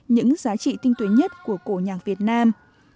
những giá trị tinh tuyến nhất của cổ nhạc việt nam